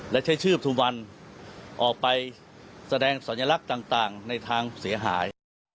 และใช้ชื่อสุวรรณออกไปแสดงสัญลักษณ์ต่างในทางเสียหาย